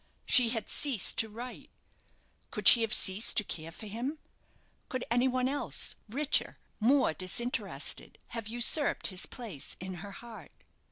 She had ceased to write. Could she have ceased to care for him? Could any one else, richer more disinterested have usurped his place in her heart?